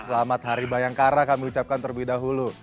selamat hari bayangkara kami ucapkan terlebih dahulu